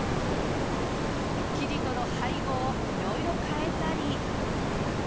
生地との配合を色々変えたり。